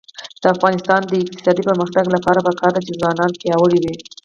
د افغانستان د اقتصادي پرمختګ لپاره پکار ده چې ځوانان پیاوړي وي.